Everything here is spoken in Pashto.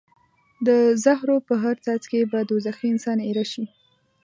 د زهرو په هر څاڅکي به دوزخي انسان ایره شي.